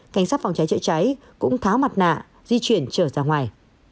cảnh sát phòng cháy chữa cháy cũng tháo mặt nạ di chuyển trở ra ngoài